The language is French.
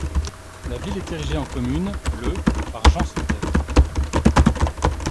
La ville est érigée en commune le par Jean sans Terre.